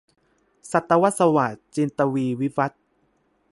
ศตวรรษสวาท - จินตวีร์ วิวัธน์